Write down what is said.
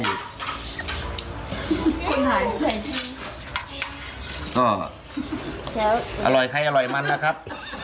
อร่อยไข้อร่อยมันนะครับ